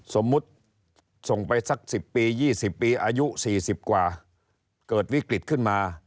สมมุติส่งไปสัก๑๐ปี๒๐ปีอายุ๔๐กว่าเกิดวิกฤตขึ้นมา